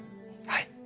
はい。